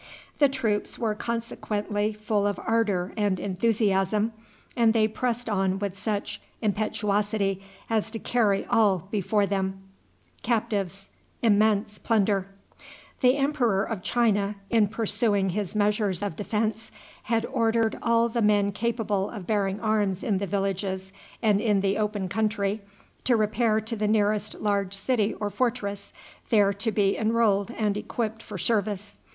The troops were consequently full of ardor and enthusiasm, and they pressed on with such impetuosity as to carry all before them. The Emperor of China, in pursuing his measures of defense, had ordered all the men capable of bearing arms in the villages and in the open country to repair to the nearest large city or fortress, there to be enrolled and equipped for service.